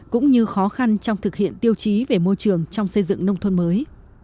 cũng như khó khăn trong thực hiện tiêu chí về môi trường trong xây dựng nông thôn mới